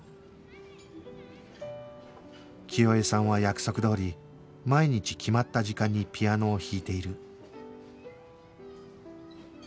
清江さんは約束どおり毎日決まった時間にピアノを弾いている